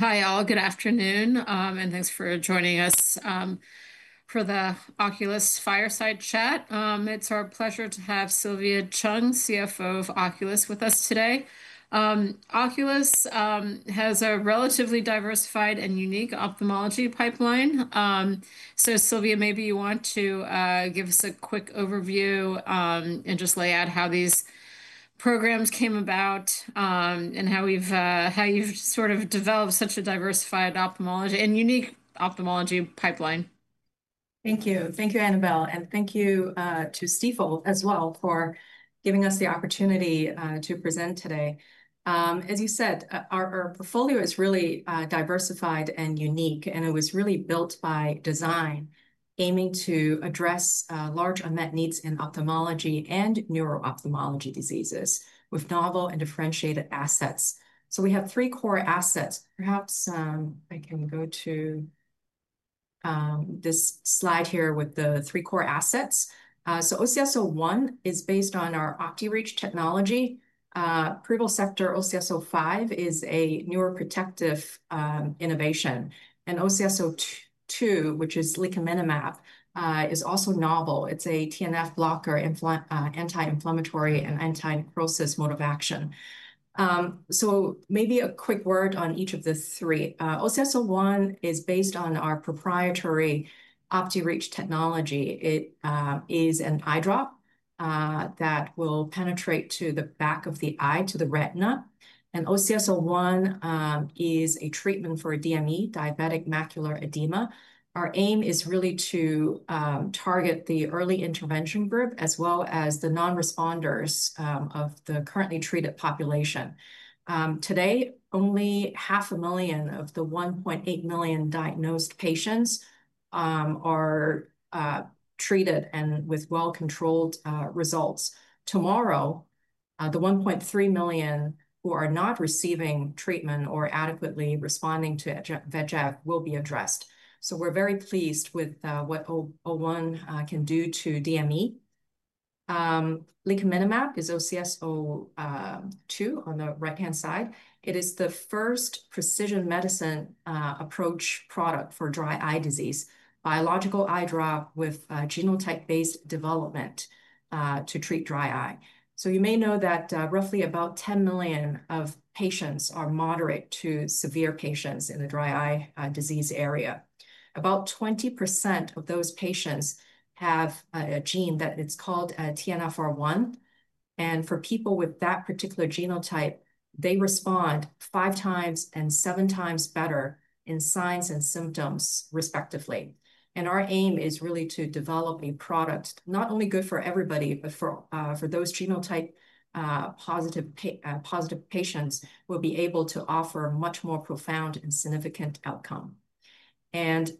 Hi, all. Good afternoon, and thanks for joining us for the Oculis Fireside Chat. It's our pleasure to have Sylvia Cheung, CFO of Oculis, with us today. Oculis has a relatively diversified and unique ophthalmology pipeline. Sylvia, maybe you want to give us a quick overview and just lay out how these programs came about and how you've sort of developed such a diversified ophthalmology and unique ophthalmology pipeline. Thank you. Thank you, Annabel. Thank you to Stifel as well for giving us the opportunity to present today. As you said, our portfolio is really diversified and unique, and it was really built by design, aiming to address large unmet needs in ophthalmology and neuro-ophthalmology diseases with novel and differentiated assets. We have three core assets. Perhaps I can go to this slide here with the three core assets. OCS-01 is based on our OptiReach technology. Privosegtor, OCS-05, is a neuroprotective innovation. OCS-02, which is Licaminlimab, is also novel. It is a TNF blocker, anti-inflammatory, and anti-necrosis mode of action. Maybe a quick word on each of the three. OCS-01 is based on our proprietary OptiReach technology. It is an eye drop that will penetrate to the back of the eye, to the retina. OCS-01 is a treatment for DME, diabetic macular edema. Our aim is really to target the early intervention group as well as the non-responders of the currently treated population. Today, only 500,000 of the 1.8 million diagnosed patients are treated and with well-controlled results. Tomorrow, the 1.3 million who are not receiving treatment or adequately responding to VEGF will be addressed. We are very pleased with what OCS-01 can do to DME. Licaminlimab is OCS-02 on the right-hand side. It is the first precision medicine approach product for dry eye disease, biological eye drop with genotype-based development to treat dry eye. You may know that roughly about 10 million patients are moderate to severe patients in the dry eye disease area. About 20% of those patients have a gene that is called TNF-R1. For people with that particular genotype, they respond five times and seven times better in signs and symptoms, respectively. Our aim is really to develop a product not only good for everybody, but for those genotype-positive patients who will be able to offer a much more profound and significant outcome.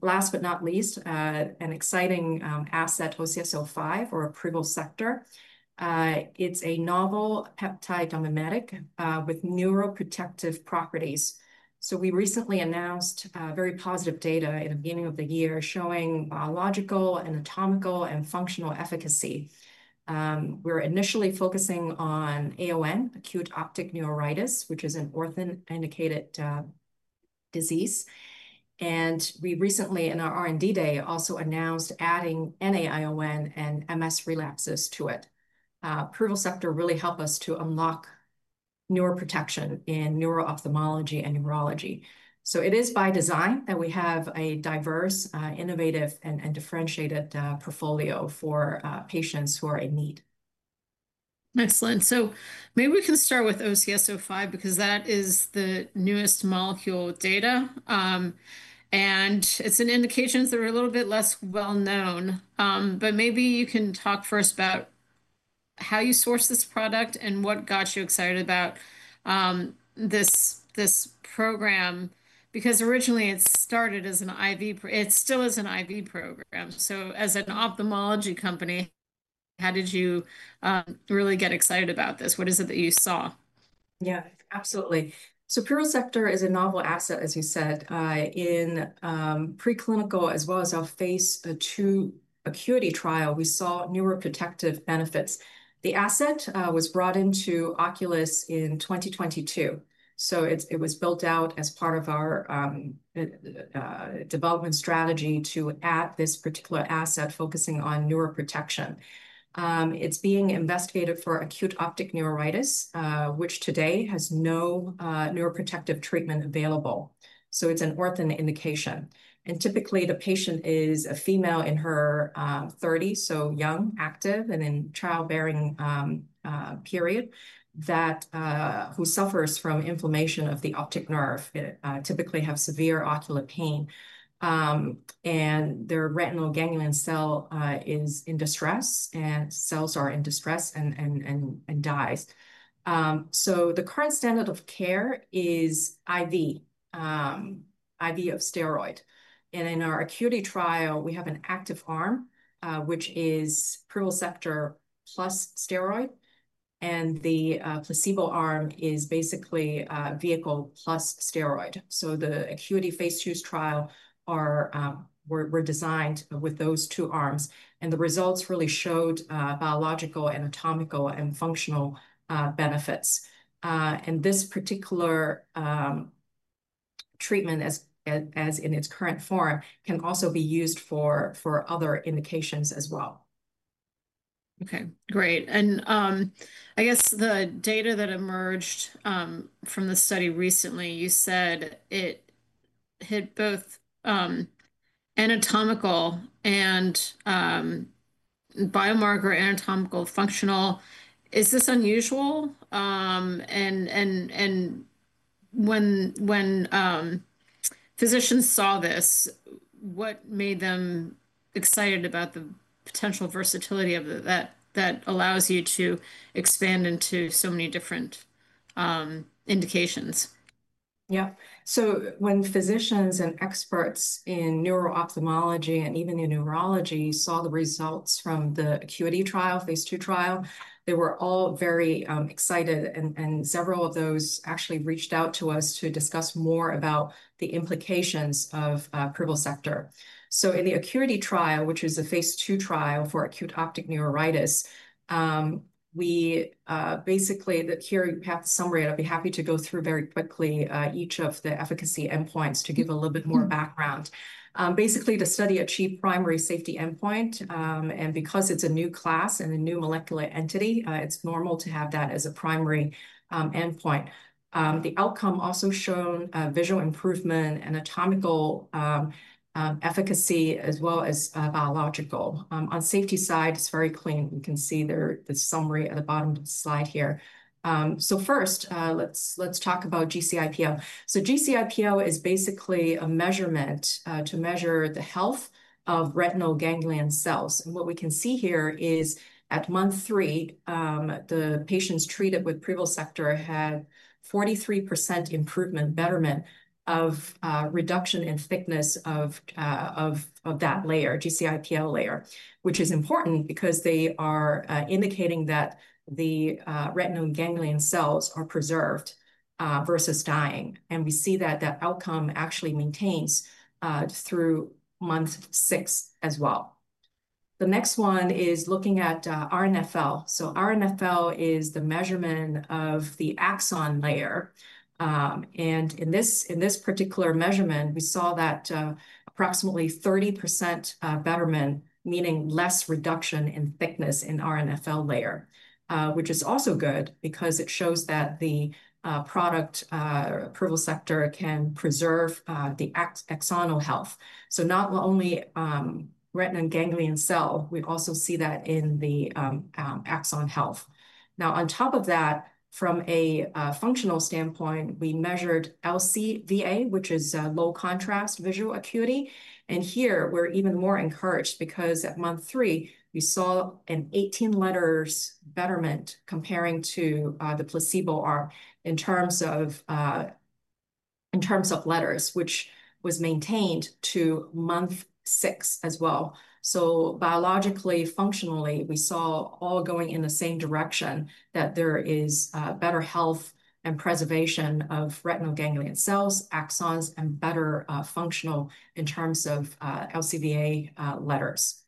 Last but not least, an exciting asset, OCS-05, or Privosegtor. It's a novel peptide aminamide with neuroprotective properties. We recently announced very positive data at the beginning of the year showing biological, anatomical, and functional efficacy. We're initially focusing on AON, acute optic neuritis, which is an orphan-indicated disease. We recently, in our R&D day, also announced adding NAION and MS relapses to it. Privosegtor really helped us to unlock neuroprotection in neuro-ophthalmology and neurology. It is by design that we have a diverse, innovative, and differentiated portfolio for patients who are in need. Excellent. Maybe we can start with OCS-05 because that is the newest molecule data. It is an indication that is a little bit less well-known. Maybe you can talk first about how you sourced this product and what got you excited about this program. Originally, it started as an IV; it still is an IV program. As an ophthalmology company, how did you really get excited about this? What is it that you saw? Yeah, absolutely. Peripheral sector is a novel asset, as you said. In preclinical, as well as our phase two acuity trial, we saw neuroprotective benefits. The asset was brought into Oculis in 2022. It was built out as part of our development strategy to add this particular asset focusing on neuroprotection. It's being investigated for acute optic neuritis, which today has no neuroprotective treatment available. It's an orphan indication. Typically, the patient is a female in her 30s, young, active, and in childbearing period that who suffers from inflammation of the optic nerve, typically have severe ocular pain. Their retinal ganglion cell is in distress, and cells are in distress and dies. The current standard of care is IV, IV of steroid. In our acuity trial, we have an active arm, which is peripheral sector plus steroid. The placebo arm is basically vehicle plus steroid. The acuity phase two trial were designed with those two arms. The results really showed biological, anatomical, and functional benefits. This particular treatment, as in its current form, can also be used for other indications as well. Okay, great. I guess the data that emerged from the study recently, you said it hit both anatomical and biomarker anatomical functional. Is this unusual? When physicians saw this, what made them excited about the potential versatility of that that allows you to expand into so many different indications? Yep. When physicians and experts in neuro-ophthalmology and even in neurology saw the results from the ACUITY trial, phase two trial, they were all very excited. Several of those actually reached out to us to discuss more about the implications of Privosegtor. In the ACUITY trial, which is a phase two trial for acute optic neuritis, we basically here have the summary. I'd be happy to go through very quickly each of the efficacy endpoints to give a little bit more background. Basically, the study achieved primary safety endpoint. Because it's a new class and a new molecular entity, it's normal to have that as a primary endpoint. The outcome also showed visual improvement, anatomical efficacy, as well as biological. On the safety side, it's very clean. You can see the summary at the bottom of the slide here. First, let's talk about GCIPL. GCIPL is basically a measurement to measure the health of retinal ganglion cells. What we can see here is at month three, the patients treated with Privosegtor had 43% improvement, betterment of reduction in thickness of that layer, GCIPL layer, which is important because they are indicating that the retinal ganglion cells are preserved versus dying. We see that that outcome actually maintains through month six as well. The next one is looking at RNFL. RNFL is the measurement of the axon layer. In this particular measurement, we saw that approximately 30% betterment, meaning less reduction in thickness in RNFL layer, which is also good because it shows that the product Privosegtor can preserve the axonal health. Not only retinal ganglion cell, we also see that in the axon health. Now, on top of that, from a functional standpoint, we measured LCVA, which is low-contrast visual acuity. Here, we're even more encouraged because at month three, we saw an 18 letters betterment comparing to the placebo arm in terms of letters, which was maintained to month six as well. Biologically, functionally, we saw all going in the same direction that there is better health and preservation of retinal ganglion cells, axons, and better functional in terms of LCVA letters.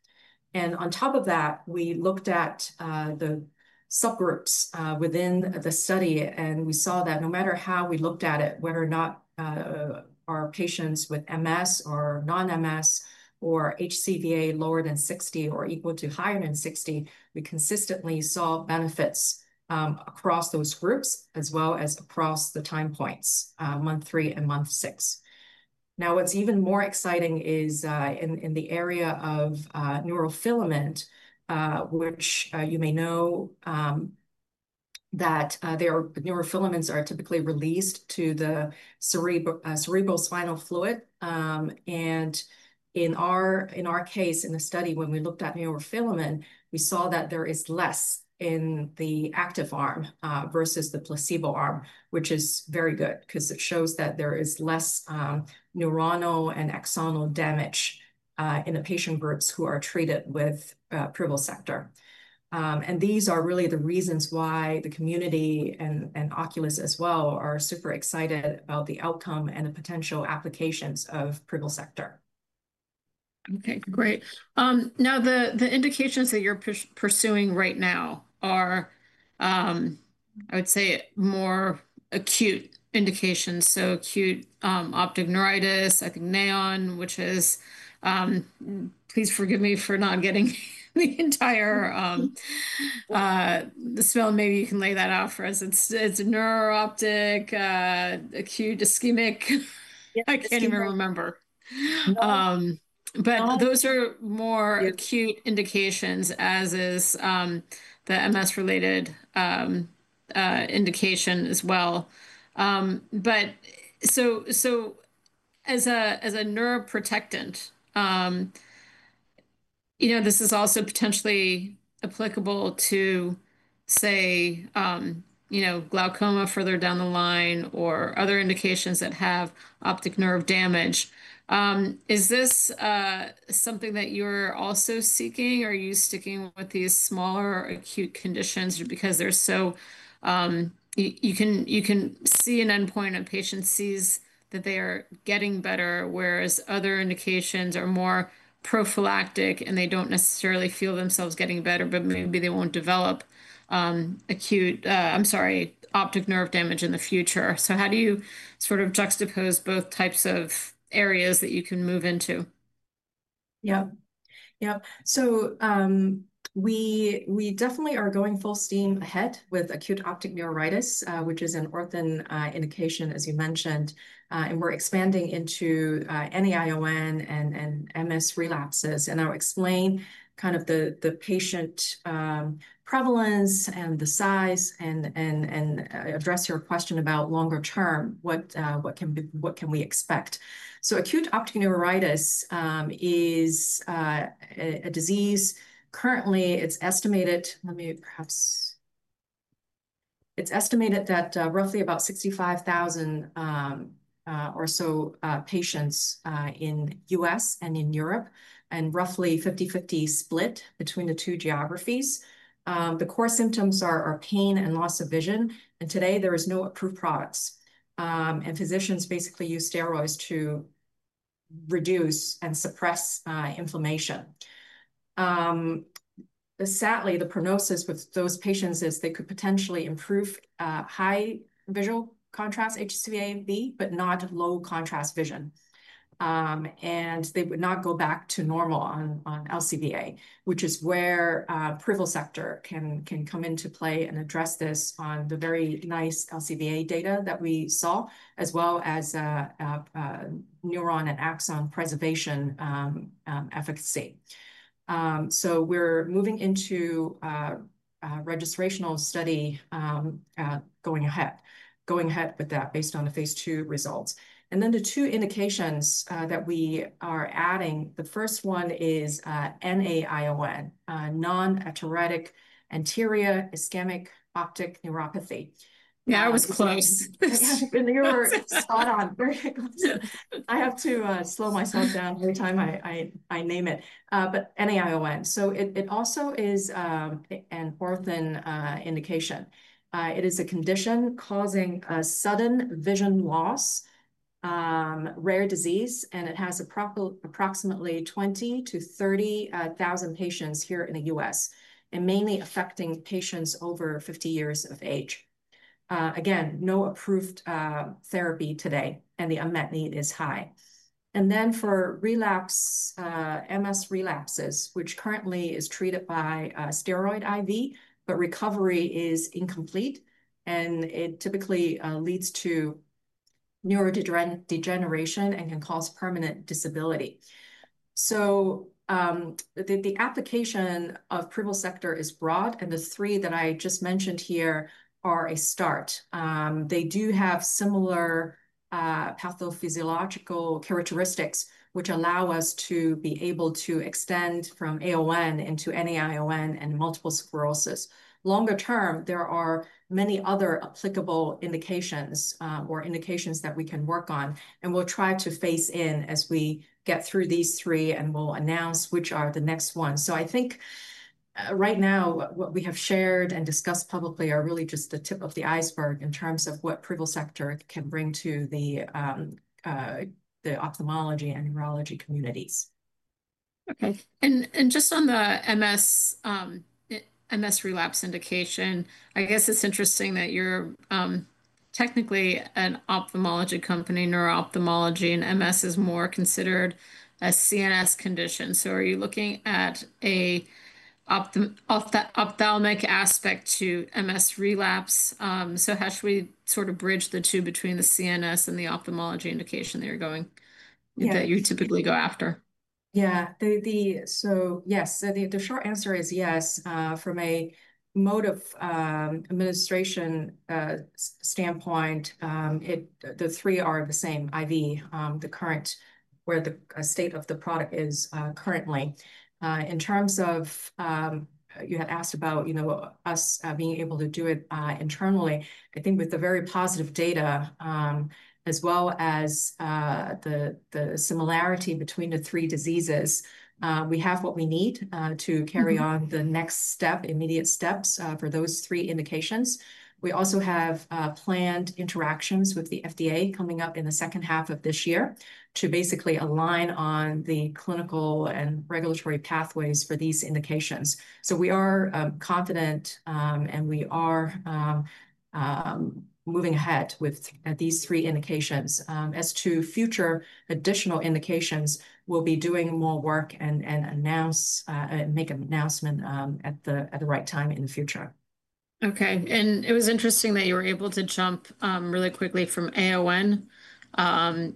On top of that, we looked at the subgroups within the study. We saw that no matter how we looked at it, whether or not our patients with MS or non-MS or HCVA lower than 60 or equal to or higher than 60, we consistently saw benefits across those groups as well as across the time points, month three and month six. Now, what's even more exciting is in the area of neurofilament, which you may know that neurofilaments are typically released to the cerebrospinal fluid. In our case, in the study, when we looked at neurofilament, we saw that there is less in the active arm versus the placebo arm, which is very good because it shows that there is less neuronal and axonal damage in the patient groups who are treated with Privosegtor. These are really the reasons why the community and Oculis as well are super excited about the outcome and the potential applications of Privosegtor. Okay, great. Now, the indications that you're pursuing right now are, I would say, more acute indications. Acute optic neuritis, I think NAION, which is please forgive me for not getting the entire spell. Maybe you can lay that out for us. It's neuro-optic, acute, ischemic. I can't even remember. Those are more acute indications, as is the MS-related indication as well. As a neuroprotectant, you know this is also potentially applicable to, say, glaucoma further down the line or other indications that have optic nerve damage. Is this something that you're also seeking? Are you sticking with these smaller acute conditions because they're so you can see an endpoint of patients sees that they are getting better, whereas other indications are more prophylactic and they don't necessarily feel themselves getting better, but maybe they won't develop acute, I'm sorry, optic nerve damage in the future. How do you sort of juxtapose both types of areas that you can move into? Yep. Yep. We definitely are going full steam ahead with acute optic neuritis, which is an orphan indication, as you mentioned. We are expanding into NAION and MS relapses. I'll explain kind of the patient prevalence and the size and address your question about longer term, what can we expect. Acute optic neuritis is a disease currently, it's estimated, let me perhaps, it's estimated that roughly about 65,000 or so patients in the U.S. and in Europe and roughly 50/50 split between the two geographies. The core symptoms are pain and loss of vision. Today, there are no approved products. Physicians basically use steroids to reduce and suppress inflammation. Sadly, the prognosis with those patients is they could potentially improve high visual contrast HCVA and V, but not low contrast vision. They would not go back to normal on LCVA, which is where Privosegtor can come into play and address this on the very nice LCVA data that we saw, as well as neuron and axon preservation efficacy. We are moving into a registrational study going ahead with that based on the phase two results. The two indications that we are adding, the first one is NAION, non-arteritic anterior ischemic optic neuropathy. Yeah, I was close. You were spot on. I have to slow myself down every time I name it. NAION. It also is an orphan indication. It is a condition causing a sudden vision loss, rare disease, and it has approximately 20,000-30,000 patients here in the U.S. and mainly affecting patients over 50 years of age. Again, no approved therapy today, and the unmet need is high. For relapse, MS relapses, which currently is treated by steroid IV, but recovery is incomplete. It typically leads to neurodegeneration and can cause permanent disability. The application of Privosegtor is broad. The three that I just mentioned here are a start. They do have similar pathophysiological characteristics, which allow us to be able to extend from AON into NAION and multiple sclerosis. Longer term, there are many other applicable indications or indications that we can work on. We will try to phase in as we get through these three, and we will announce which are the next ones. I think right now, what we have shared and discussed publicly are really just the tip of the iceberg in terms of what Privosegtor can bring to the ophthalmology and neurology communities. Okay. And just on the MS relapse indication, I guess it's interesting that you're technically an ophthalmology company, neuro-ophthalmology, and MS is more considered a CNS condition. Are you looking at an ophthalmic aspect to MS relapse? How should we sort of bridge the two between the CNS and the ophthalmology indication that you're typically going after? Yeah. Yes, the short answer is yes. From a mode of administration standpoint, the three are the same IV, the current where the state of the product is currently. In terms of you had asked about us being able to do it internally, I think with the very positive data, as well as the similarity between the three diseases, we have what we need to carry on the next step, immediate steps for those three indications. We also have planned interactions with the FDA coming up in the second half of this year to basically align on the clinical and regulatory pathways for these indications. We are confident, and we are moving ahead with these three indications. As to future additional indications, we'll be doing more work and make an announcement at the right time in the future. Okay. It was interesting that you were able to jump really quickly from AON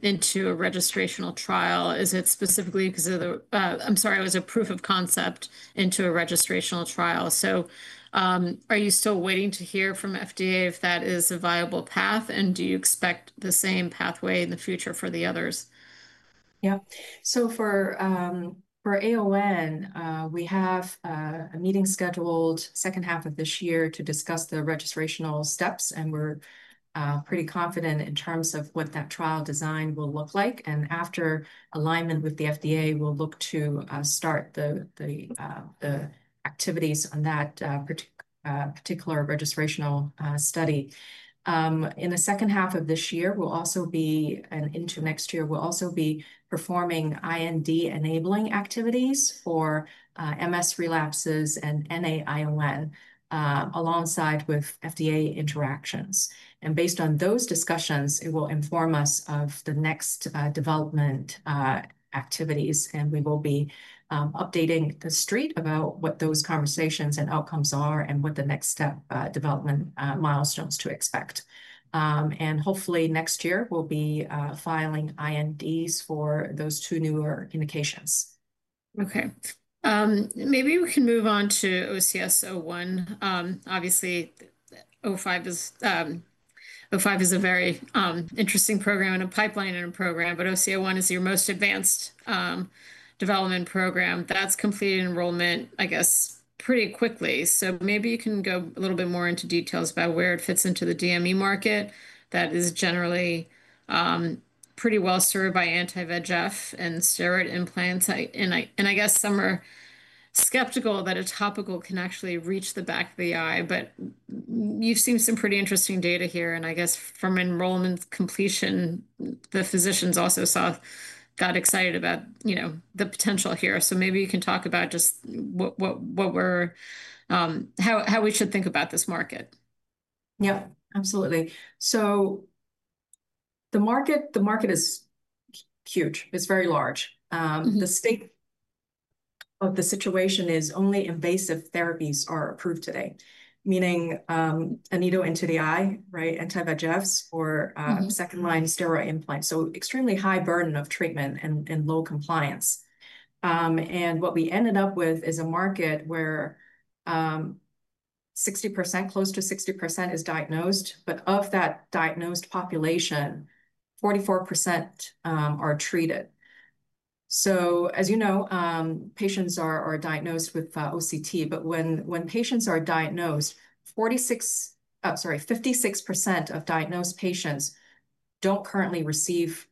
into a registrational trial. Is it specifically because of the, I'm sorry, it was a proof of concept into a registrational trial. Are you still waiting to hear from FDA if that is a viable path? Do you expect the same pathway in the future for the others? Yep. For AON, we have a meeting scheduled the second half of this year to discuss the registrational steps. We're pretty confident in terms of what that trial design will look like. After alignment with the FDA, we'll look to start the activities on that particular registrational study. In the second half of this year and into next year, we'll also be performing IND enabling activities for MS relapses and NAION alongside FDA interactions. Based on those discussions, it will inform us of the next development activities. We will be updating the street about what those conversations and outcomes are and what the next step development milestones to expect. Hopefully, next year, we'll be filing INDs for those two newer indications. Okay. Maybe we can move on to OCS-01. Obviously, OCS-05 is a very interesting program and a pipeline and a program. OCS-01 is your most advanced development program that's completed enrollment, I guess, pretty quickly. Maybe you can go a little bit more into details about where it fits into the DME market that is generally pretty well served by anti-VEGF and steroid implants. I guess some are skeptical that a topical can actually reach the back of the eye. You've seen some pretty interesting data here. I guess from enrollment completion, the physicians also got excited about the potential here. Maybe you can talk about just how we should think about this market. Yep. Absolutely. The market is huge. It is very large. The state of the situation is only invasive therapies are approved today, meaning a needle into the eye, right, anti-VEGFs or second-line steroid implants. Extremely high burden of treatment and low compliance. What we ended up with is a market where 60%, close to 60%, is diagnosed. Of that diagnosed population, 44% are treated. As you know, patients are diagnosed with OCT. When patients are diagnosed, 56% of diagnosed patients do not currently receive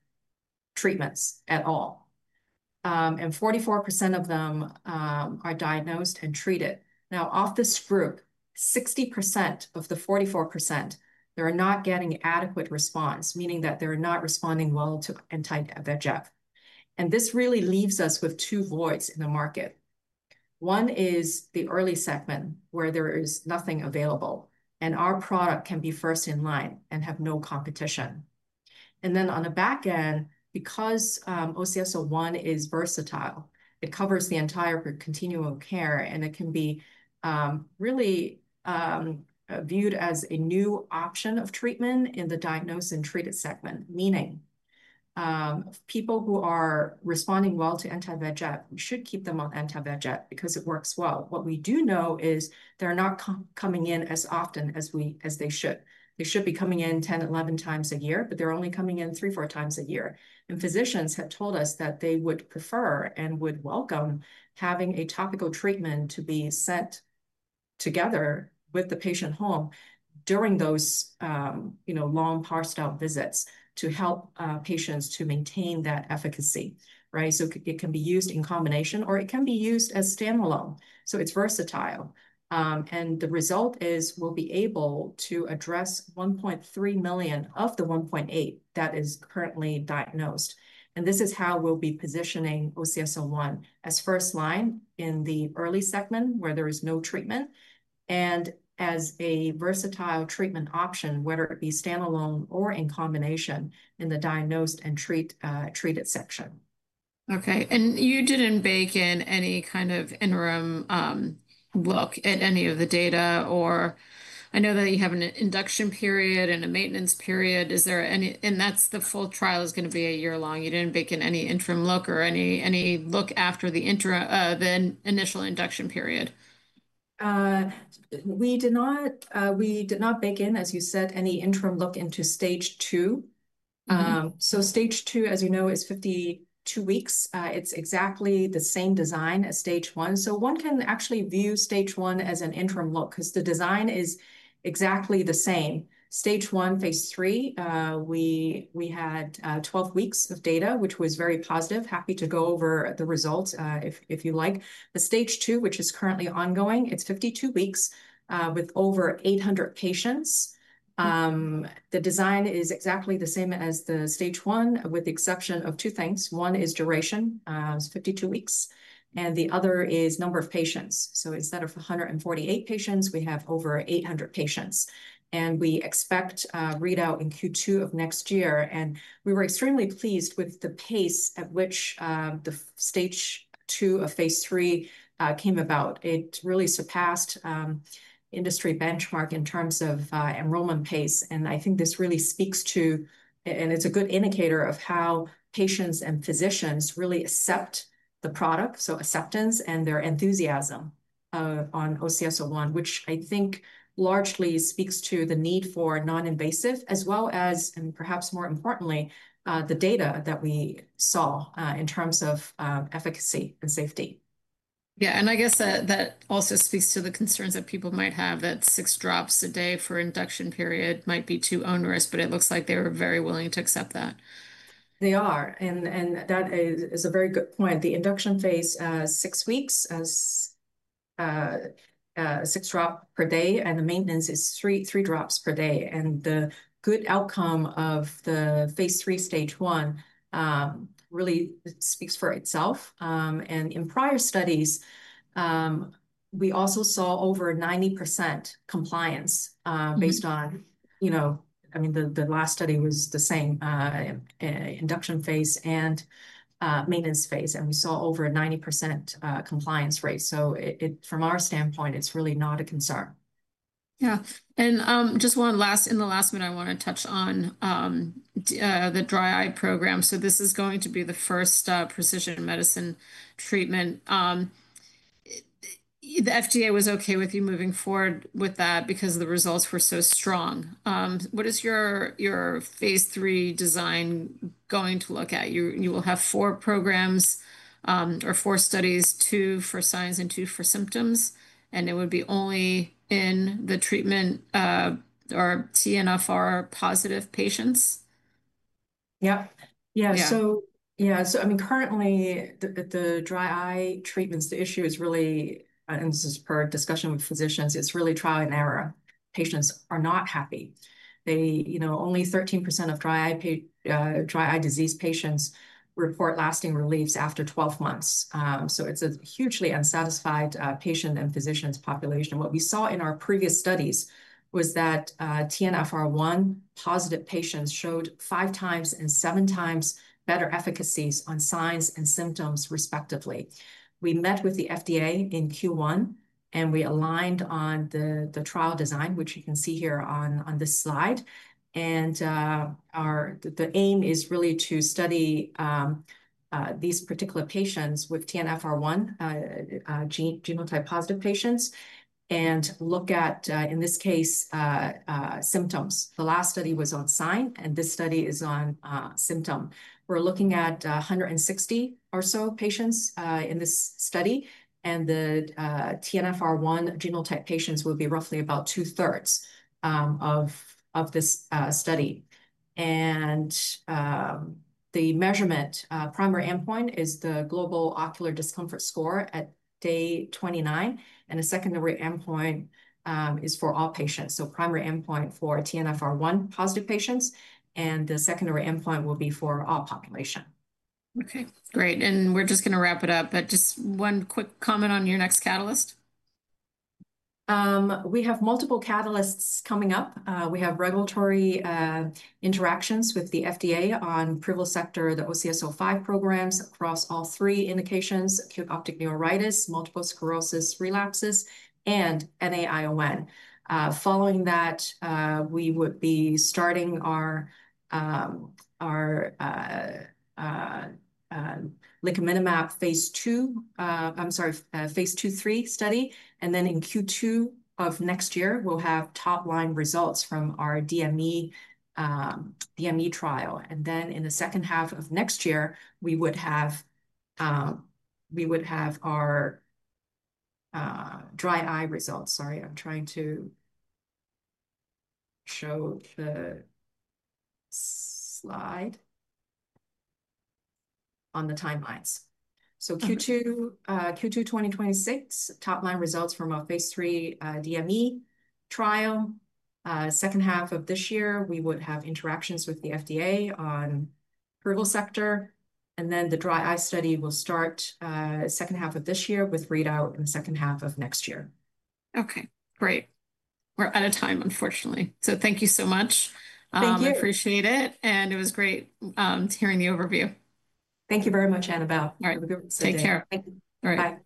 treatments at all. Forty-four percent of them are diagnosed and treated. Of this group, 60% of the 44%, they are not getting adequate response, meaning that they are not responding well to anti-VEGF. This really leaves us with two voids in the market. One is the early segment where there is nothing available, and our product can be first in line and have no competition. On the back end, because OCS-01 is versatile, it covers the entire continuum of care, and it can be really viewed as a new option of treatment in the diagnosed and treated segment, meaning people who are responding well to anti-VEGF, we should keep them on anti-VEGF because it works well. What we do know is they're not coming in as often as they should. They should be coming in 10, 11 times a year, but they're only coming in three, four times a year. Physicians have told us that they would prefer and would welcome having a topical treatment to be sent together with the patient home during those long parsed-out visits to help patients to maintain that efficacy, right? It can be used in combination, or it can be used as standalone. It is versatile. The result is we will be able to address 1.3 million of the 1.8 million that is currently diagnosed. This is how we will be positioning OCS-01 as first line in the early segment where there is no treatment and as a versatile treatment option, whether it be standalone or in combination in the diagnosed and treated section. Okay. You did not bake in any kind of interim look at any of the data? I know that you have an induction period and a maintenance period. Is there any? The full trial is going to be a year long. You did not bake in any interim look or any look after the initial induction period? We did not bake in, as you said, any interim look into stage two. Stage two, as you know, is 52 weeks. It is exactly the same design as stage one. One can actually view stage one as an interim look because the design is exactly the same. Stage one, phase three, we had 12 weeks of data, which was very positive. Happy to go over the results if you like. Stage two, which is currently ongoing, is 52 weeks with over 800 patients. The design is exactly the same as stage one with the exception of two things. One is duration, 52 weeks. The other is number of patients. Instead of 148 patients, we have over 800 patients. We expect readout in Q2 of next year. We were extremely pleased with the pace at which the stage two of phase three came about. It really surpassed industry benchmark in terms of enrollment pace. I think this really speaks to, and it's a good indicator of how patients and physicians really accept the product, so acceptance and their enthusiasm on OCS-01, which I think largely speaks to the need for non-invasive, as well as, and perhaps more importantly, the data that we saw in terms of efficacy and safety. Yeah. I guess that also speaks to the concerns that people might have that six drops a day for induction period might be too onerous, but it looks like they were very willing to accept that. They are. That is a very good point. The induction phase is six weeks as six drops per day, and the maintenance is three drops per day. The good outcome of the phase three, stage one really speaks for itself. In prior studies, we also saw over 90% compliance based on, I mean, the last study was the same induction phase and maintenance phase. We saw over a 90% compliance rate. From our standpoint, it's really not a concern. Yeah. And just one last, in the last minute, I want to touch on the dry eye program. This is going to be the first precision medicine treatment. The FDA was okay with you moving forward with that because the results were so strong. What is your phase three design going to look at? You will have four programs or four studies, two for signs and two for symptoms. And it would be only in the treatment or TNF-R1 positive patients? Yep. Yeah. So yeah. So I mean, currently, the dry eye treatments, the issue is really, and this is per discussion with physicians, it's really trial and error. Patients are not happy. Only 13% of dry eye disease patients report lasting reliefs after 12 months. It is a hugely unsatisfied patient and physicians population. What we saw in our previous studies was that TNF-R1 positive patients showed five times and seven times better efficacies on signs and symptoms, respectively. We met with the FDA in Q1, and we aligned on the trial design, which you can see here on this slide. The aim is really to study these particular patients with TNF-R1 genotype positive patients and look at, in this case, symptoms. The last study was on sign, and this study is on symptom. We're looking at 160 or so patients in this study. The TNF-R1 genotype patients will be roughly about two-thirds of this study. The measurement primary endpoint is the global ocular discomfort score at day 29. The secondary endpoint is for all patients. Primary endpoint for TNF-R1 positive patients, and the secondary endpoint will be for all population. Okay. Great. We're just going to wrap it up. Just one quick comment on your next catalyst? We have multiple catalysts coming up. We have regulatory interactions with the FDA on Privosegtor, the OCS-05 programs across all three indications: acute optic neuritis, multiple sclerosis relapses, and NAION. Following that, we would be starting our phase two, I'm sorry, phase two, three study. In Q2 of next year, we'll have top-line results from our DME trial. In the second half of next year, we would have our dry eye results. Sorry, I'm trying to show the slide on the timelines. Q2 2026, top-line results from our phase three DME trial. Second half of this year, we would have interactions with the FDA on Privosegtor. The dry eye study will start second half of this year with readout in the second half of next year. Okay. Great. We're out of time, unfortunately. So thank you so much. Thank you. I appreciate it. It was great hearing the overview. Thank you very much, Annabel. All right. Take care. All right. Bye. Bye.